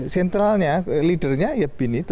sentralnya leadernya bin itu